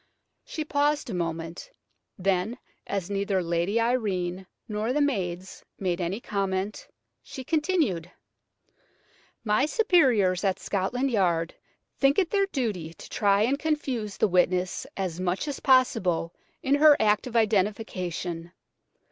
She paused a moment; then, as neither Lady Irene nor the maids made any comment, she continued: "My superiors at Scotland Yard think it their duty to try and confuse the witness as much as possible in her act of identification.